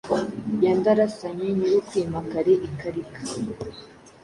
ya Ndarasanye, Nyiri ukwima kare i Karika.